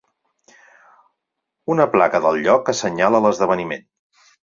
Una placa del lloc assenyala l'esdeveniment.